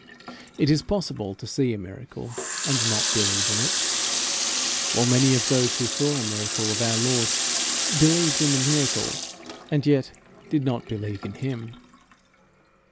It is possible to see a miracle, and not believe in it; while many of those who saw a miracle of our Lord believed in the miracle, and yet did not believe in him.